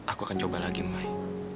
aku akan coba lagi main